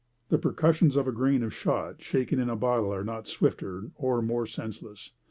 The percussions of a grain of shot shaken in a bottle are not swifter or more senseless.